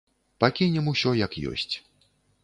Пакінем усё як ёсць.